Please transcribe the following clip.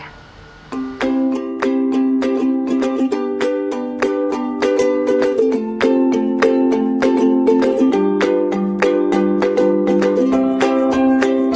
pesta gelembung busa